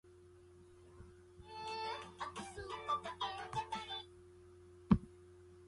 黃胸藪眉是臺灣特有種喔！